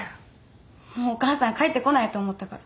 もうお母さん帰ってこないと思ったから。